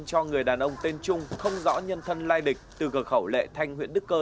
cho người đàn ông tên trung không rõ nhân thân lai địch từ cờ khẩu lệ thanh huyện đức cơ